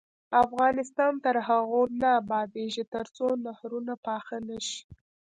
افغانستان تر هغو نه ابادیږي، ترڅو نهرونه پاخه نشي.